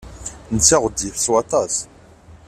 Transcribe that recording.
Netta ɣezzif s waṭas